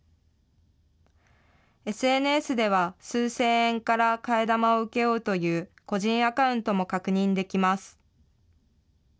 ＳＮＳでは数千円から替え玉を請け負うという、個人アカウントも確認できます。